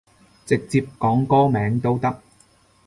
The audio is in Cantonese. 直接講歌名都得